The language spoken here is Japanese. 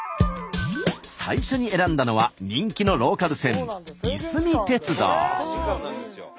最初に選んだのは人気のローカル線いすみ鉄道。